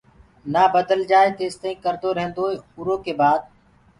نآ بدل جآئي تيستآئين ڪردو ريهيندوئي اُرو ڪي بآد